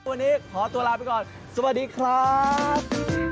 วันนี้ขอตัวลาไปก่อนสวัสดีครับ